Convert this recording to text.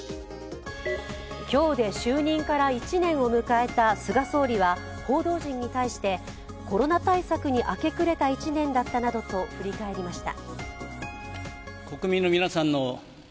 今日で就任から１年を迎えた菅総理は報道陣に対して、コロナ対策に明け暮れた１年だったなどと振り返りました。